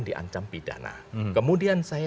diancam pidana kemudian saya